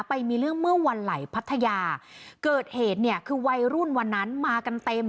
ไปมีเรื่องเมื่อวันไหลพัทยาเกิดเหตุเนี่ยคือวัยรุ่นวันนั้นมากันเต็ม